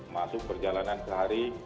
masuk perjalanan sehari